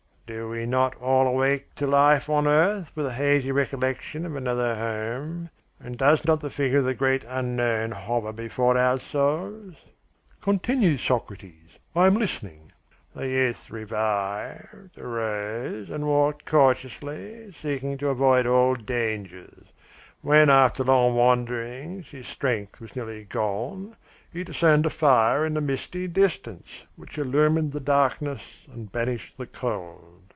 "Do we not all awake to life on earth with a hazy recollection of another home? And does not the figure of the great unknown hover before our souls?" "Continue, Socrates, I am listening." "The youth revived, arose, and walked cautiously, seeking to avoid all dangers. When after long wanderings his strength was nearly gone, he discerned a fire in the misty distance which illumined the darkness and banished the cold.